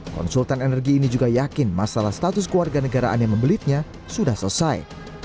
konsultan energi ini juga yakin masalah status keluarga negaraan yang membelitnya sudah selesai